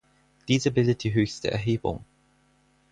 Diese bildet die höchste Erhebung.